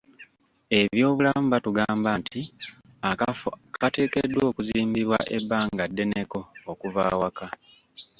Ab'ebyobulamu batugamba nti akafo kateekeddwa okuzimbibwa ebbanga ddeneko okuva awaka.